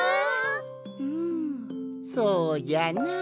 うんそうじゃな。